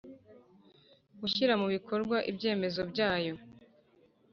gushyira mu bikorwa ibyemezo byayo